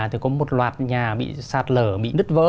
thì có một loạt nhà bị sạt lở bị nứt vỡ